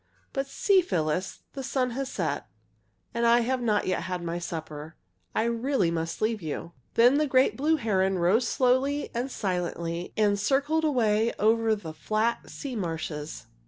"But see, Phyllis, the sun has set, and I have not yet had my supper. I really must leave you!" Then the great blue heron rose slowly and silently and circled away over the flat sea marshes.